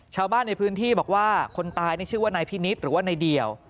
ชาวบ้านในพื้นที่บอกว่าคนตายนี่ชื่อว่านายพินิษฐ์หรือว่านายเดี่ยว